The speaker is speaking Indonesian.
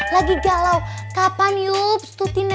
lagi galau kapan yups tuh tiba tiba